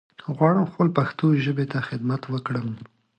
غواړم خپل پښتو ژبې ته خدمت وکړم